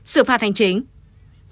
sự phạt hành chính